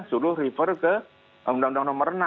suruh refer ke undang undang nomor enam